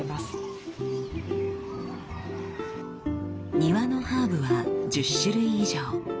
庭のハーブは１０種類以上。